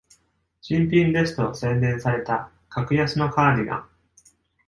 新品ですと宣伝された格安のカーディガン